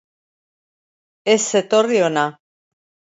Ez etorri hona.